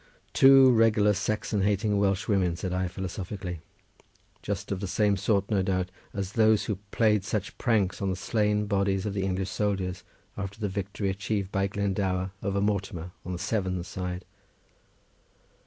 "Two regular Saxon hating Welsh women," said I, philosophically; "just the same sort, no doubt, as those who played such pranks on the slain bodies of the English soldiers, after the victory achieved by Glendower over Mortimer on the Severn's side."